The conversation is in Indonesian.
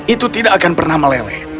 itu tidak akan pernah meleleh